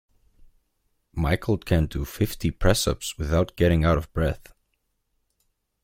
Michael can do fifty press-ups without getting out of breath